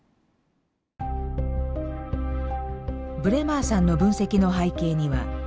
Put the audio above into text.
ブレマーさんの分析の背景には